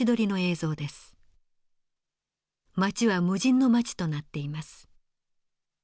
街は無人の街となっています。